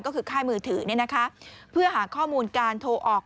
ก็คือค่ายมือถือเพื่อหาข้อมูลการโทรออก